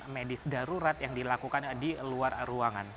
medis darurat yang dilakukan di luar ruangan